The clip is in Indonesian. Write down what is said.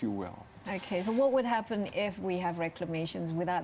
jika kita memiliki penyelesaian tindakan lingkungan